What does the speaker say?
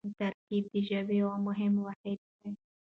ترکیب د ژبې یو مهم واحد دئ.